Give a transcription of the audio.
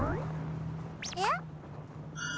えっ？